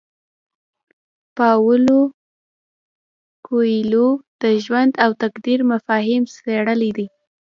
پاولو کویلیو د ژوند او تقدیر مفاهیم څیړلي دي.